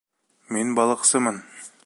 Мин балыҡсымын